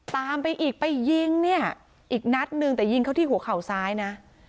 ตามไปอีกไปยิงเนี่ยอีกนัดนึงแต่ยิงเขาที่หัวเข่าซ้ายนะ